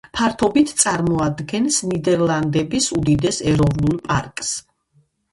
ფართობით წარმოადგენს ნიდერლანდების უდიდეს ეროვნულ პარკს.